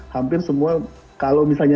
hampir semua kalau misalnya